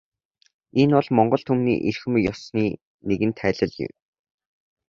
Энэ бол монгол түмний эрхэм ёсны нэгэн тайлал юм.